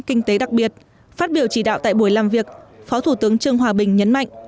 kinh tế đặc biệt phát biểu chỉ đạo tại buổi làm việc phó thủ tướng trương hòa bình nhấn mạnh